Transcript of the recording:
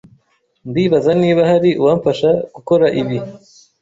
Ndibaza niba hari uwamfasha gukora ibi.